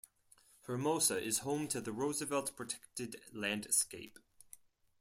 Hermosa is home to the Roosevelt Protected Landscape.